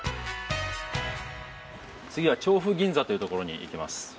次は調布銀座というところに行きます。